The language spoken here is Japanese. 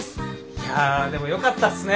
いやでもよかったっすね